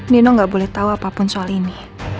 badeh bisa kita siasat permane